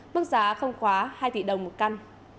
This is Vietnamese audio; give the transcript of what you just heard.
mức giá không khóa hai tỷ đồng một căn